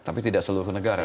tapi tidak seluruh negara